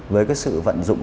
với cái sự vận dụng